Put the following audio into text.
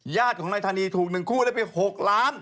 ญาติของนายธานีถูก๑คู่ได้ไป๖ล้าน